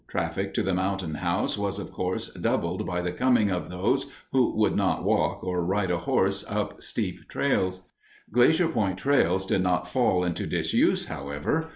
Traffic to the Mountain House was, of course, doubled by the coming of those who would not walk or ride a horse up steep trails. Glacier Point trails did not fall into disuse, however.